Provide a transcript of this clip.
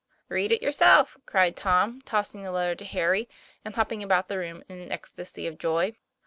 "Read it yourself," cried Tom, tossing the letter to Harry, and hopping about the room in an ecstasy of joy.